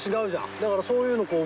だからそういうのこう。